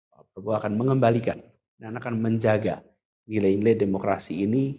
pak prabowo akan mengembalikan dan akan menjaga nilai nilai demokrasi ini